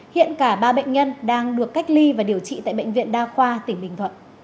hiện cả ba bệnh nhân đang được cách ly và điều trị tại bệnh viện đa khoa tỉnh bình thuận